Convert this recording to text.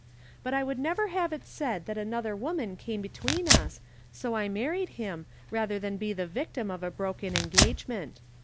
Bui I would never have it said that another wo man came between us, so I married him, rather than be the victim of a broken engagement.